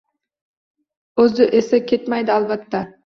O‘zi esa, ketmaydi albatta.